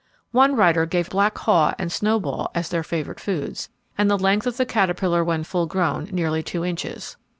One writer gave black haw and snowball as their favourite foods, and the length of the caterpillar when full grown nearly two inches.